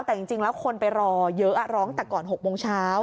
แต่จริงแล้วคนไปรอเยอะร้องแต่ก่อน๖โมงเช้า